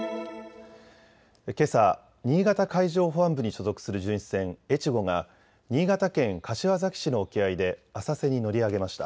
けさ、新潟海上保安部に所属する巡視船えちごが新潟県柏崎市の沖合で浅瀬に乗り上げました。